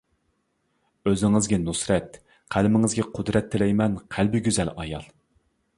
ئۆزىڭىزگە نۇسرەت، قەلىمىڭىزگە قۇدرەت تىلەيمەن قەلبى گۈزەل ئايال.